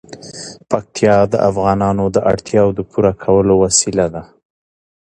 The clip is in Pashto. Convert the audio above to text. پکتیا د افغانانو د اړتیاوو د پوره کولو وسیله ده.